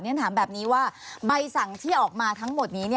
ฉันถามแบบนี้ว่าใบสั่งที่ออกมาทั้งหมดนี้